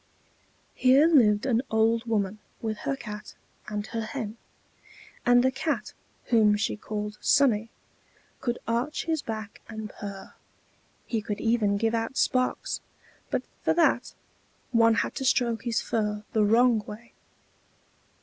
Here lived an old woman, with her Cat and her Hen. And the Cat, whom she called Sonnie, could arch his back and purr; he could even give out sparks but for that, one had to stroke his fur the wrong way.